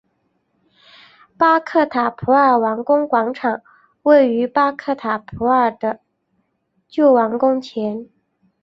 巴克塔普尔王宫广场位于巴克塔普尔的旧王宫前。